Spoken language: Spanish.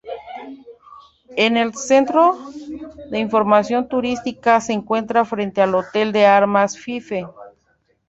El centro de información turística se encuentra frente al Hotel de Armas Fife.